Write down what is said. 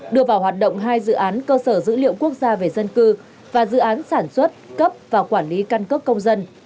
đưa vào hoạt động hai dự án cơ sở dữ liệu quốc gia về dân cư và dự án sản xuất cấp và quản lý căn cước công dân